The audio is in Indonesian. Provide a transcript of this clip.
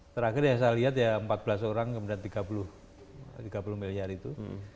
terakhir yang saya lihat ya empat belas orang kemudian tiga puluh miliar itu